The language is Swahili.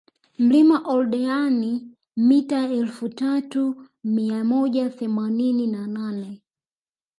Mlima Oldeani mita elfu tatu mia moja themanini na nane